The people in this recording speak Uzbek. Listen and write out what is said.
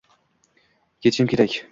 Ketishim kerak.